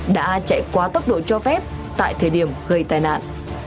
đã chạy quá tốc độ cho phép tại thời điểm gây tai nạn